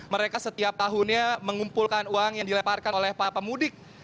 mereka setiap tahunnya mengumpulkan uang yang dileparkan oleh para pemudik